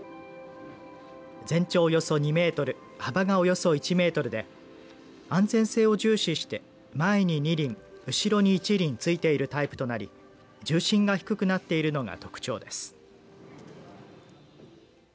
全長およそ２メートル幅がおよそ１メートルで安全性を重視して前に２輪後ろに１輪付いているタイプとなり重心が低くなっているのが特徴です。